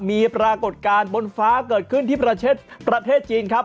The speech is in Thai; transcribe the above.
มีปรากฏการณ์บนฟ้าเกิดขึ้นที่ประเทศจีนครับ